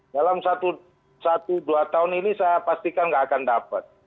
dalam satu dua tahun ini saya pastikan nggak akan dapat